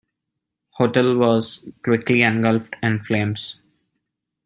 The hotel was quickly engulfed in flames.